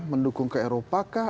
mendukung ke eropa kah